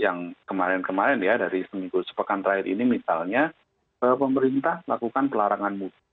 yang kemarin kemarin ya dari seminggu sepekan terakhir ini misalnya pemerintah lakukan pelarangan mudik